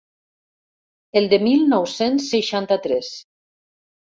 El de mil nou-cents seixanta-tres.